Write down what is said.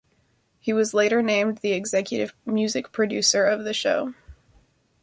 He was later named the executive music producer of the show.